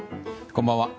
こんばんは。